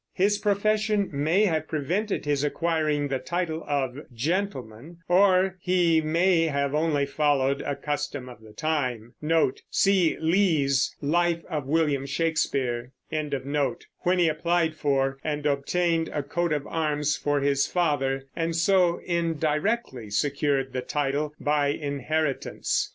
His profession may have prevented his acquiring the title of "gentleman," or he may have only followed a custom of the time when he applied for and obtained a coat of arms for his father, and so indirectly secured the title by inheritance.